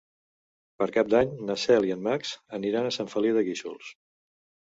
Per Cap d'Any na Cel i en Max aniran a Sant Feliu de Guíxols.